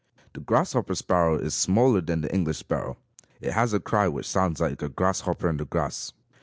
The grasshopper sparrow is smaller than the English sparrow. It has a cry which sounds like a grasshopper in the grass.